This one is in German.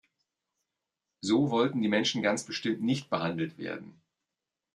So wollten die Menschen ganz bestimmt nicht behandelt werden.